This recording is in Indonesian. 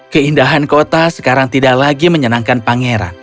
keindahan kota sekarang tidak lagi menyenangkan pangeran